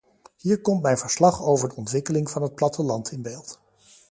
Hier komt mijn verslag over de ontwikkeling van het platteland in beeld.